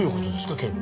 警部。